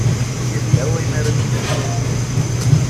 Yella wayen ara d-ssumreɣ.